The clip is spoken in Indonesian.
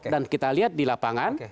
dan kita lihat di lapangan